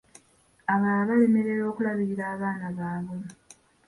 Abalala balemererwa okulabirila abaana baabwe.